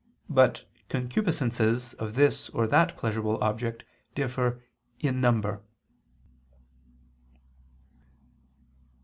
But concupiscences of this or that pleasurable object differ _in number.